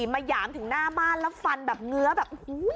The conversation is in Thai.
มาหยามถึงหน้าบ้านแล้วฟันแบบเหงือแบบ